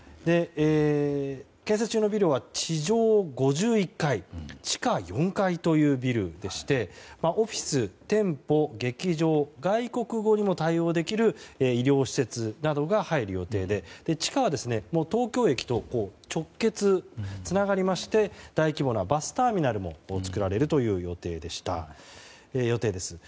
建設中のビルは地上５１階、地下４階というビルでしてオフィス、店舗、劇場外国語にも対応できる医療施設などが入る予定で地下は東京駅と直結して大規模なバスターミナルも作られる予定です。